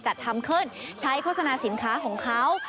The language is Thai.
จัดทำขึ้นใช้โฆษณาสินค้าของเขา